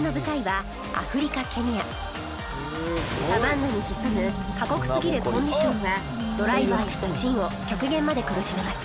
サバンナに潜む過酷すぎるコンディションはドライバーやマシンを極限まで苦しめます